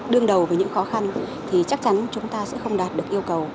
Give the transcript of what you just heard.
đương đầu với những khó khăn thì chắc chắn chúng ta sẽ không đạt được yêu cầu